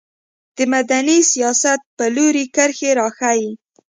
د مدني سیاست په لوري کرښې راښيي.